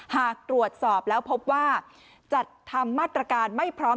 หากตรวจสอบแล้วพบว่าจัดทำมาตรการไม่พร้อม